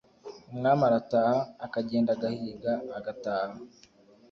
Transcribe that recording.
umwami arataha, akagenda agahiga agataha.